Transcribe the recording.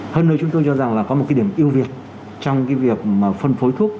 hơn nữa chúng tôi cho rằng là có một cái điểm ưu việt trong cái việc mà phân phối thuốc